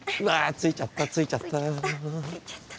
着いちゃった着いちゃった。